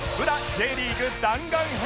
Ｊ リーグ弾丸編